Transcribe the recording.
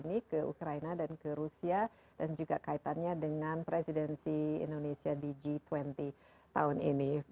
ini ke ukraina dan ke rusia dan juga kaitannya dengan presidensi indonesia di g dua puluh tahun ini